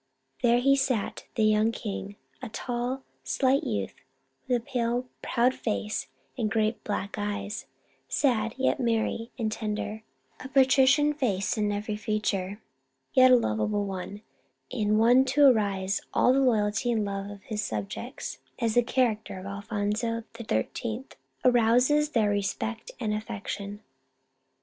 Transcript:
There he sat, the young king, a tall, slight youth, with a pale, proud face and great black eyes, sad, yet merry and tender ; a patrician face in every feature, yet a lovable one, and one to arouse all of love and loyalty in his subjects, as the 124 Our Little Spanish Cousin character of Alphonso XIII. arouses their respect and affection.